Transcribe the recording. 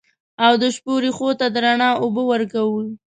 او د شپو رېښو ته د رڼا اوبه ورکوو